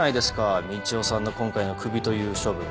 みちおさんの今回のクビという処分。